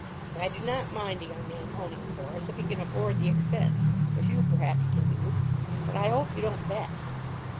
"I do not mind a young man owning a horse, if he can afford the expense, as you perhaps can do; but I hope you don't bet."